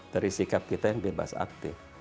dari sikap kita yang bebas aktif